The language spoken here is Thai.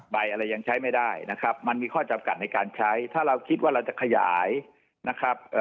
ใบอะไรยังใช้ไม่ได้นะครับมันมีข้อจำกัดในการใช้ถ้าเราคิดว่าเราจะขยายนะครับเอ่อ